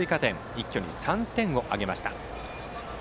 一挙に３点挙げました。